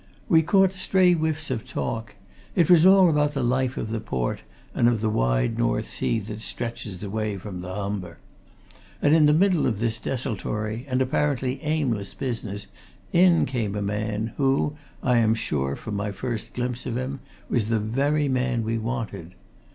We caught stray whiffs of talk it was all about the life of the port and of the wide North Sea that stretches away from the Humber. And in the middle of this desultory and apparently aimless business in came a man who, I am sure from my first glimpse of him, was the very man we wanted.